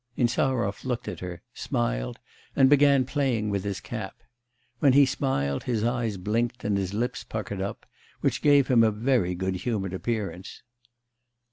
Insarov looked at her, smiled, and began playing with his cap. When he smiled, his eyes blinked, and his lips puckered up, which gave him a very good humoured appearance.